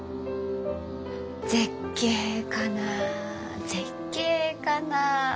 「絶景かな絶景かな。